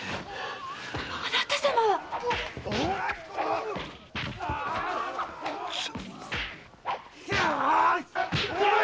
あなた様は⁉鶴！